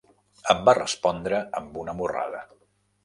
Em va respondre amb una morrada.